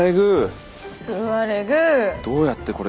どうやってこれ。